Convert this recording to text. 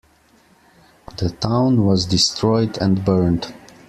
The town was destroyed and burnt.